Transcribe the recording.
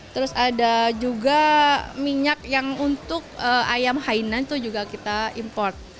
terus ada juga minyak yang untuk ayam hainan itu juga kita import